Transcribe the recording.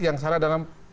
yang salah dalam